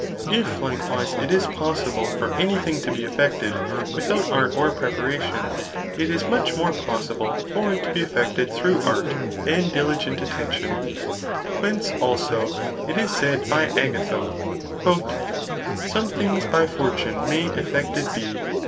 If, fike* Wise, it is possible for any thing to be effected without drt or preparation, it is much more possible for it to be tfMttd through art and <liligent attention ; whence, also^ it Is said by Agatho, Some thiqgs b j fiutiiae may eflkcfted be.